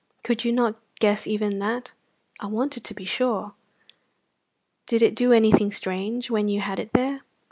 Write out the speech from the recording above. "Could you not guess even that?" "I wanted to be sure. Did it do anything strange when you had it there?"